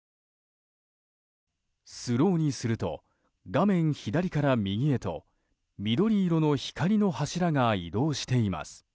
スローにすると画面左から右へと緑色の光の柱が移動しています。